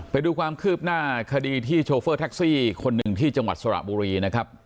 ไปดูความคืบหน้าคดีที่โชเฟอร์แท็กซี่คนหนึ่งที่จังหวัดสระบุรีนะครับ